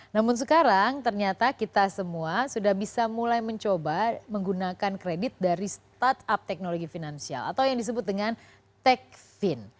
namun sekarang ternyata kita semua sudah bisa mulai mencoba menggunakan kredit dari startup teknologi finansial atau yang disebut dengan techfin